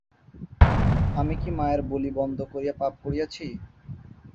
আমি কি মায়ের বলি বন্ধ করিয়া পাপ করিয়াছি?